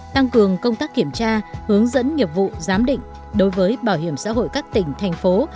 tăng cường công tác kiểm tra hướng dẫn nghiệp vụ giám định đối với bảo hiểm xã hội các tỉnh thành phố